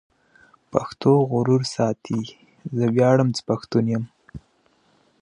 پښتو غرور ساتي.